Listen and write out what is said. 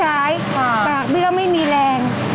ปากเบื้อไม่มีแรง